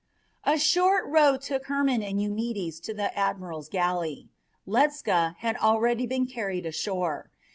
A short row took Hermon and Eumedes the admiral's galley. Ledscha had already been carried ashore.